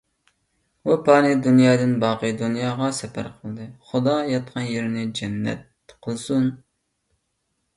ئۇ پانىي دۇنيادىن باقىي دۇنياغا سەپەر قىلدى. خۇدا ياتقان يېرىنى جەننەت قىلسۇن.